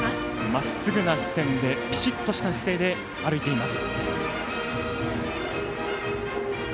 まっすぐな視線でピシッとした姿勢で歩いています。